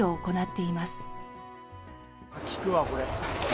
きくわこれ。